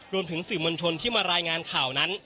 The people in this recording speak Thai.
รวมถึงสื่อมวลชนที่มารายงานข่าวนั้น